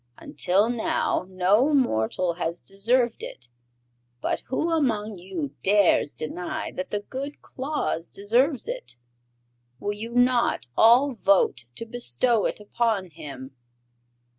Until now no mortal has deserved it, but who among you dares deny that the good Claus deserves it? Will you not all vote to bestow it upon him?"